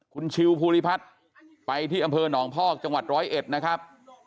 คุณชิวภูริพัฒน์ไปที่อำเภอหนองพอกจังหวัดร้อยเอ็ดนะครับ